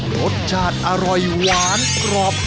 รสชาติอร่อยหวานกรอบ